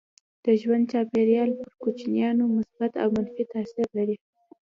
د ژوند چاپيریال پر کوچنیانو مثبت او منفي تاثير لري.